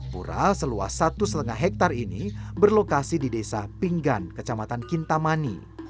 pura seluas satu lima hektare ini berlokasi di desa pinggan kecamatan kintamani